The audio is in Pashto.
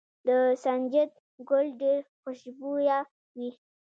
د سنجد ګل ډیر خوشبويه وي.